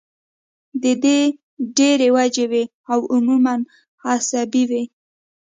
د دې ډېرې وجې وي او عموماً اعصابي وي